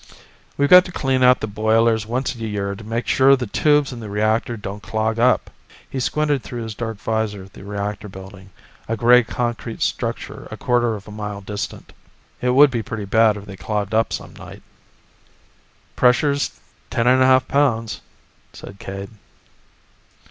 "We've got to clean out the boilers once a year to make sure the tubes in the reactor don't clog up." He squinted through his dark visor at the reactor building, a gray concrete structure a quarter of a mile distant. "It would be pretty bad if they clogged up some night." "Pressure's ten and a half pounds," said Cade.